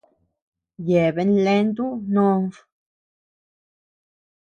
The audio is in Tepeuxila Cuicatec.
Yeabean leantu nod.